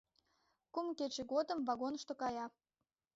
Кум кече годым вагонышто кая.